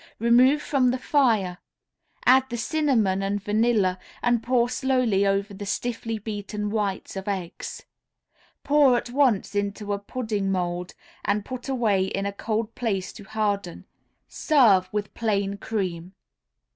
Remove from the fire, add the cinnamon and vanilla, and pour slowly over the stiffly beaten whites of eggs. Pour at once into a pudding mould, and put away in a cold place to harden. Serve with plain cream.